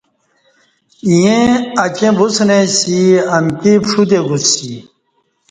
ایݩ اچیں وُسنئ سی امکی پݜتے گوسسی